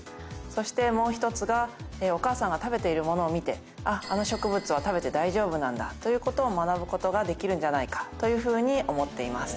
そしてもう１つが、お母さんが食べているものを見て、あっあの植物は食べて大丈夫なんだということを学ぶことができるんじゃないかというふうに思っています。